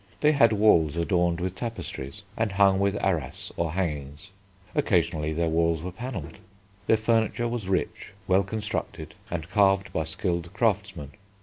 They had walls adorned with tapestries and hung with arras or hangings; occasionally their walls were panelled. Their furniture was rich, well constructed, and carved by skilled craftsmen.